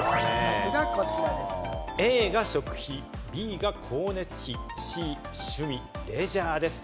Ａが食費、Ｂが光熱費、Ｃは趣味・レジャーです。